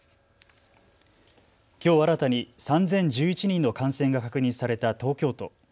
きょう新たに３０１１人の感染が確認された東京都。